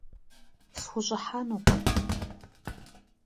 Схущӏыхьэнукъым.